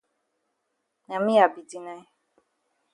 Na me I be deny.